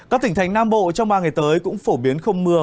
các tỉnh thành nam bộ trong ba ngày tới cũng phổ biến không mưa